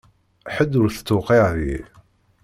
Ḥedd ur t-tewqiε deg-i.